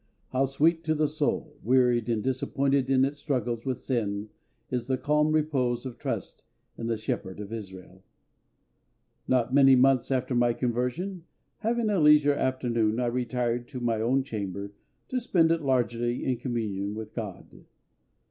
How sweet to the soul, wearied and disappointed in its struggles with sin, is the calm repose of trust in the SHEPHERD of Israel. Not many months after my conversion, having a leisure afternoon, I retired to my own chamber to spend it largely in communion with GOD.